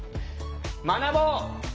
学ぼう！